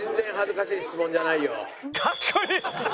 かっこいい！